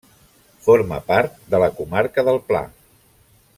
Forma part de la comarca del Pla.